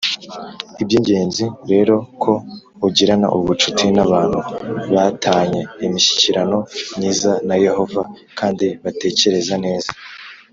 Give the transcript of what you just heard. iby ingenzi rero ko ugirana ubucuti n abantu ba tanye imishyikirano myiza na Yehova kandi batekereza neza